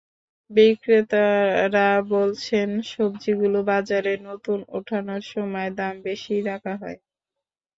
বিক্রেতারা বলছেন, সবজিগুলো বাজারে নতুন ওঠানোর সময় দাম বেশিই রাখা হয়।